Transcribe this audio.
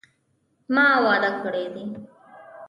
ما واده کړی دي